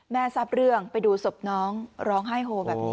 ทราบเรื่องไปดูศพน้องร้องไห้โฮแบบนี้